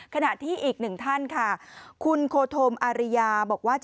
ขณะที่อีกหนึ่งท่านค่ะคุณโคธมอาริยาบอกว่า